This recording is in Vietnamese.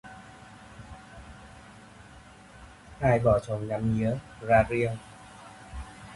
Hai vợ chồng nhắm nhía ra riêng